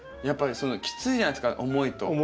やっぱりきついじゃないですか重いと。